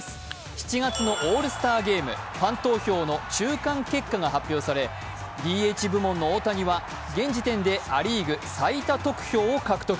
７月のオールスターゲーム、ファン投票の中間結果が発表されＤＨ部門の大谷は現時点でア・リーグ最多得票を獲得。